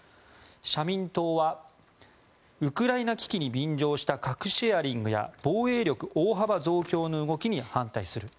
社民党はウクライナ危機に便乗した核シェアリングや防衛力大幅増強の動きに反対する。